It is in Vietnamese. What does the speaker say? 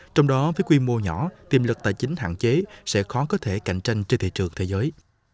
trong đó với quy mô nhỏ tiềm lực tài chính hạn chế sẽ khó có thể cạnh tranh trên thị trường thế giới